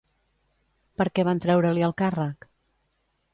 Per què van treure-li el càrrec?